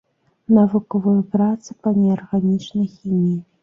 Навуковыя працы па неарганічнай хіміі.